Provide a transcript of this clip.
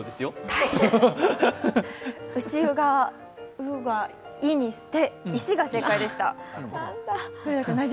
「う」を「い」にして石が正解でした。